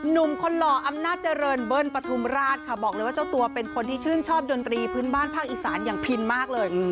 หนุ่มคนหล่ออำนาจเจริญเบิ้ลปฐุมราชค่ะบอกเลยว่าเจ้าตัวเป็นคนที่ชื่นชอบดนตรีพื้นบ้านภาคอีสานอย่างพินมากเลย